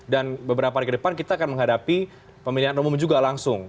dan beberapa hari ke depan kita akan menghadapi pemilihan umum juga langsung